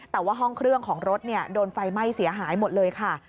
แต่ว่าห้องเครื่องของรถโดนไฟไหม้เสียหายหมดเลยค่ะ